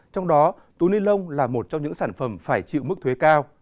trong đó túi ni lông là một trong những sản phẩm phải chịu mức thuế cao